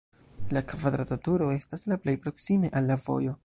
La kvadrata turo estas la plej proksime al la vojo.